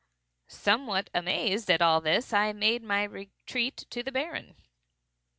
Somewhat amazed at all this, I made my retreat to the Baron.